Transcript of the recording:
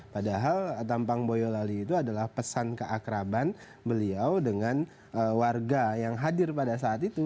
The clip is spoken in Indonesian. padahal tampang boyolali itu adalah pesan keakraban beliau dengan warga yang hadir pada saat itu